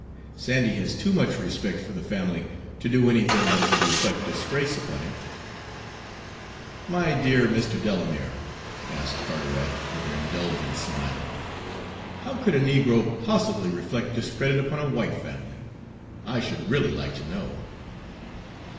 Sandy has too much respect for the family to do anything that would reflect disgrace upon it." "My dear Mr. Delamere," asked Carteret, with an indulgent smile, "how could a negro possibly reflect discredit upon a white family? I should really like to know."